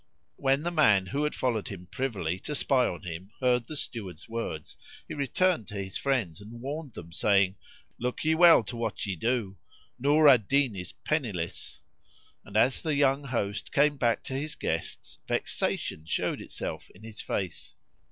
When the man who had followed him privily to spy on him heard the Steward's words, he returned to his friends and warned them saying, "Look ye well to what ye do: Nur al Din is penniless;" and, as the young host came back to his guests, vexation showed itself in his face.